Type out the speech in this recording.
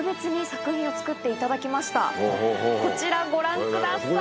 こちらご覧ください。